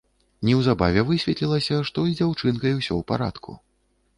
Неўзабаве высветлілася, што з дзяўчынкай усё ў парадку.